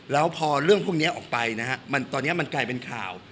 แล้วพอเรื่องพวกนี้ออกไปนะฮะตอนนี้มันกลายเป็นข่าว